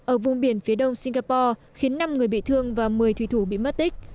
ở vùng biển phía đông singapore khiến năm người bị thương và một mươi thủy thủ bị mất tích